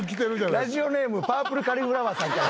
ラジオネームパープルカリフラワーさんから。